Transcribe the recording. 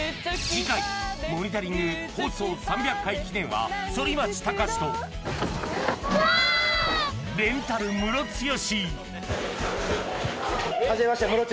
次回「モニタリング」放送３００回記念は反町隆史とわーっ！